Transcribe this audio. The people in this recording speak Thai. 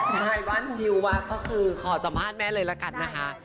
ใช่บ้านชิวก็คือขอสัมภาษณ์แม่เลยละกันนะคะ